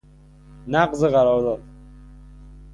نقض قرار داد